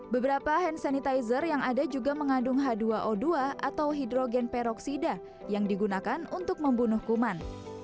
beberapa hand sanitizer yang ada juga mengandung h dua o dua atau hidrogen peroksida yang digunakan untuk membunuh kuman